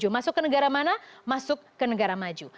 masuk ke negara mana masuk ke negara maju